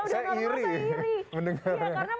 saya iri mendengarnya